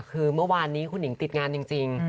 คือเมื่อวานนี้คุณหญิงติดงานจริง